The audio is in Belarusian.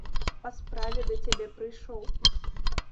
Па справе да цябе прыйшоў.